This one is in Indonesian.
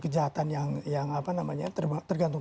kejahatan yang tergantung